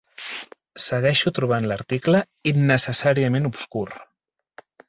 Segueixo trobant l'article innecessàriament obscur.